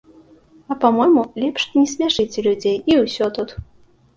А па-мойму, лепш не смяшыце людзей, і ўсё тут!